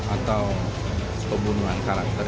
atau pembunuhan karakter